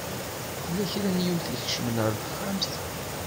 Tella kra n yiwet i ikecmen ar texxamt.